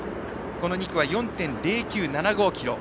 この２区は４．０９７５ｋｍ。